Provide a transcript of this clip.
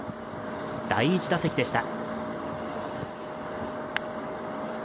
第１打席でした。